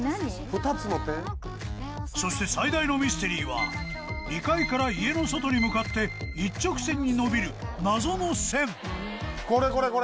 そして最大のミステリーは２階から家の外に向かって一直線に伸びる謎の線これこれこれ！